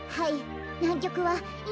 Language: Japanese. はい。